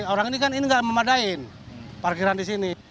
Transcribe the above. orang ini kan ini nggak memadain parkiran di sini